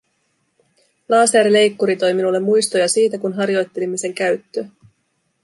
Laserleikkuri toi minulle muistoja siitä, kun harjoittelimme sen käyttöä.